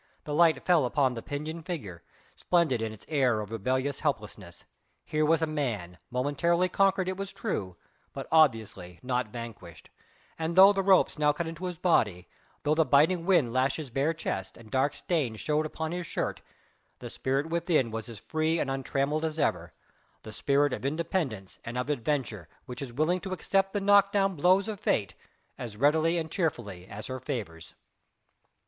The light fell upon the pinioned figure, splendid in its air of rebellious helplessness. Here was a man, momentarily conquered it is true, but obviously not vanquished, and though the ropes now cut into his body, though the biting wind lashed his bare chest, and dark stains showed upon his shirt, the spirit within was as free and untrammelled as ever the spirit of independence and of adventure which is willing to accept the knockdown blows of fate as readily and cheerfully as her favours.